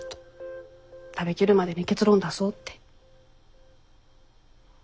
食べきるまでに結論出そうって。